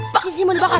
pak kismin banget